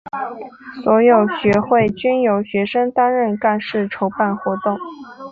所有学会均由学生担任干事筹办活动。